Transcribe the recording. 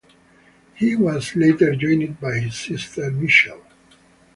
He was later joined by his sister Michelle.